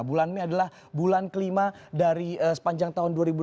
bulan ini adalah bulan kelima dari sepanjang tahun dua ribu enam belas